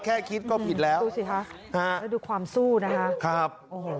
แค่คิดก็ผิดแล้วดูสิค่ะดูความสู้นะฮะครับ